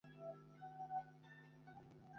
চুপ কর রে।